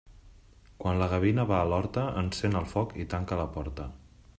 Quan la gavina va a l'horta, encén el foc i tanca la porta.